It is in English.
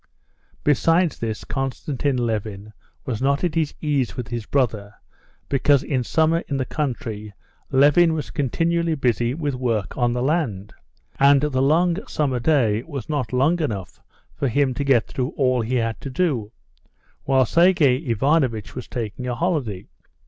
Besides this, Konstantin Levin was not at his ease with his brother, because in summer in the country Levin was continually busy with work on the land, and the long summer day was not long enough for him to get through all he had to do, while Sergey Ivanovitch was taking a holiday.